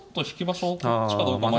こっちかどうか迷う。